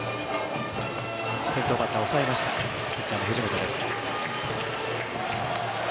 先頭バッター抑えましたピッチャーの藤本です。